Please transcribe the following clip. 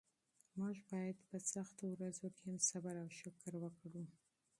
موږ باید په سختو ورځو کې هم صبر او شکر وکړو.